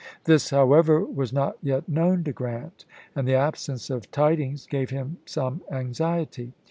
This, however, was not yet known to Grant, and the absence of tidings gave him some anxiety.